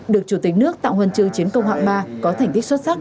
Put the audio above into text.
được chủ tịch nước tạo huân chư chiến công hạng ba có thành tích xuất sắc